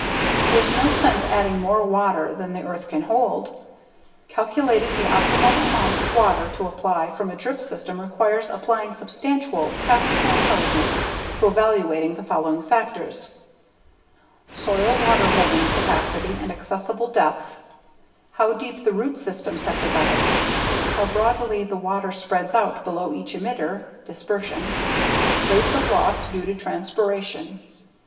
There's no sense adding more water than the earth can hold. Calculating the optimum amount of water to apply from a drip system requires applying substantial, practical intelligence to evaluating the following factors: soil water holding capacity and accessible depth; how deep the root systems have developed; how broadly the water spreads out below each emitter (dispersion); rate of loss due to transpiration.